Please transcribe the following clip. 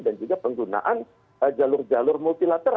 dan juga penggunaan jalur jalur multilateral